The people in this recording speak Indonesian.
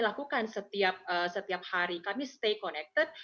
lakukan setiap hari kami stay connected